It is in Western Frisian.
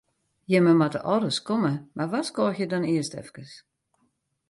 Jimme moatte al ris komme, mar warskôgje dan earst efkes.